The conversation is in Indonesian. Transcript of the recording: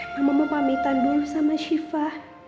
mama mau pamitan dulu sama siva